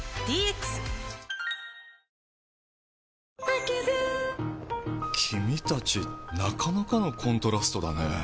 アキュビュー君たちなかなかのコントラストだね。